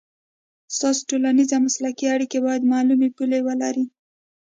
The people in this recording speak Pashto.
ستاسو ټولنیزې او مسلکي اړیکې باید معلومې پولې ولري.